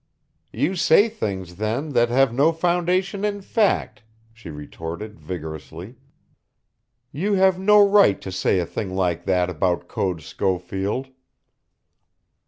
"You say things then that have no foundation in fact," she retorted vigorously. "You have no right to say a thing like that about Code Schofield."